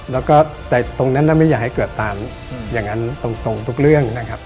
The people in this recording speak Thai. แล้วก็แต่ตรงนั้นน่ะไม่อยากให้เกิดตามอย่างนั้นตรงทุกเรื่องนะครับ